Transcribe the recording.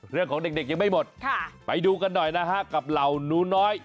เรื่องของเด็กยังไม่หมดไปดูกันหน่อยนะฮะกับเหล่าหนูน้อย